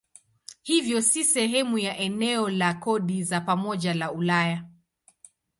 Hivyo si sehemu ya eneo la kodi za pamoja la Ulaya.